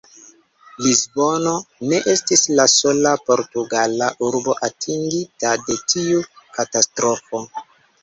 Lisbono ne estis la sola portugala urbo atingita de tiu katastrofo.